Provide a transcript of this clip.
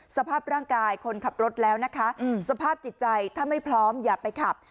สภาพร่างกายคนขับรถแล้วนะคะสภาพจิตใจถ้าไม่พร้อมอย่าไปขับ